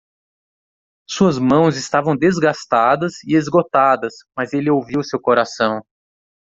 Suas mãos estavam desgastadas e esgotadas, mas ele ouviu seu coração.